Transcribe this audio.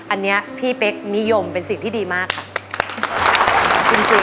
อันนี้พี่เป๊กนิยมเป็นสิ่งที่ดีมากค่ะ